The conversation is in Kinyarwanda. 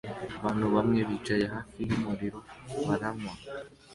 Abantu bamwe bicaye hafi yumuriro baranywa